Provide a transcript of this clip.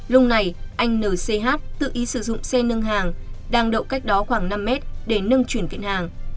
lúc này anh nch tự ý sử dụng xe nâng hàng đang đậu cách đó khoảng năm mét để nâng chuyển kiện hàng